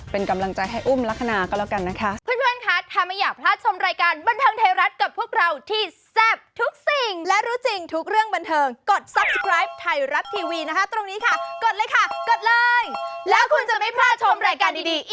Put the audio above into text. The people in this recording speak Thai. เป็นกำลังใจให้อุ้มลักษณะก็แล้วกันนะคะ